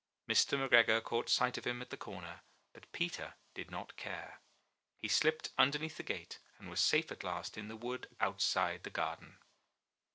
Mr. McGregor caught sight of him at the corner, but Peter did not care. He slipped underneath the gate, and was safe at last in the wood outside the garden.